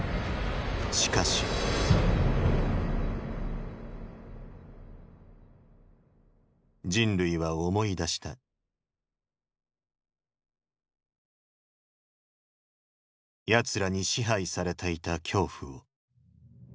しかし人類は思い出したヤツらに支配されていた恐怖を。